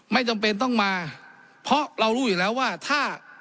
ไม่จำเป็นต้องมาเพราะเรารู้อยู่แล้วว่าถ้า